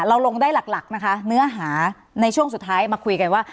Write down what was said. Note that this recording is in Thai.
เราลงได้หลักนะคะเนื้อหาในช่วงสุดท้ายมาคุยกันว่า